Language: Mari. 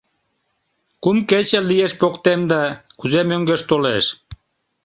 — Кум кече лиеш поктем да, кузе мӧҥгеш толеш?